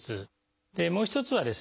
でもう一つはですね